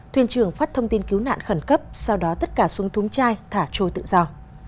thuyền trưởng phát thông tin cứu nạn khẩn cấp sau đó tất cả súng thúng chai thả trôi tự do